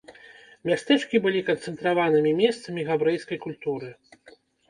Мястэчкі былі канцэнтраванымі месцамі габрэйскай культуры.